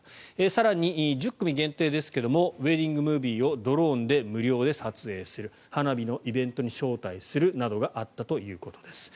更に１０組限定ですがウェディングムービーをドローンで無料で撮影する花火のイベントに招待するなどがあったということです。